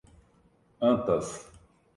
Antas